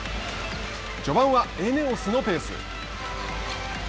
序盤はＥＮＥＯＳのペース。